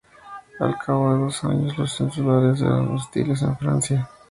Al cabo de dos años los insulares eren hostiles a Francia.